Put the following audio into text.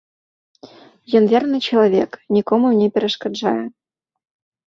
Ён верны чалавек, нікому не перашкаджае.